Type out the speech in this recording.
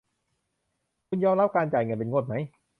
คุณยอมรับการจ่ายเงินเป็นงวดมั้ย ?